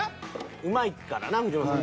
うまいからな藤本さん